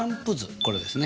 これですね。